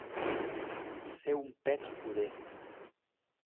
Ser un pet pudent.